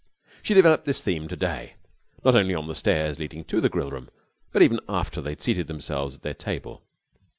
She developed this theme to day, not only on the stairs leading to the grillroom, but even after they had seated themselves at their table.